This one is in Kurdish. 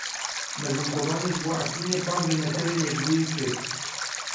Mezlûm Kobanî ji bo Efrînê bang li Netewên Yekbûyî kir.